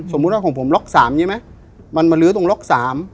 ว่าของผมล็อกสามใช่ไหมมันมาลื้อตรงล็อกสาม